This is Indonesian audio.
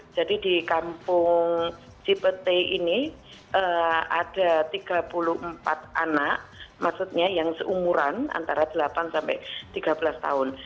jadi di kampung cipete ini ada tiga puluh empat anak maksudnya yang seumuran antara delapan sampai tiga belas tahun